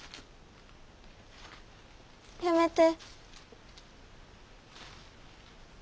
やめて。